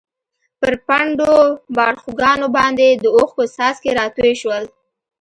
پر پڼډو باړخوګانو باندې د اوښکو څاڅکي راتوی شول.